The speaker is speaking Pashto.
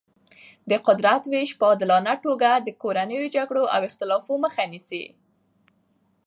د قدرت ویش په عادلانه توګه د کورنیو جګړو او اختلافاتو مخه نیسي.